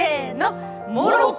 モロッコ！